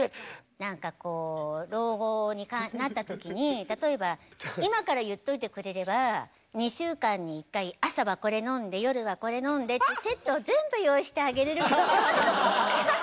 何かこう老後になった時に例えば今から言っといてくれれば２週間に１回朝はこれのんで夜はこれのんでっていうセットを全部用意してあげれるのになって。